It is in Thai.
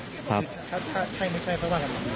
ใช่ไม่ใช่เพราะว่าทำร้ายของ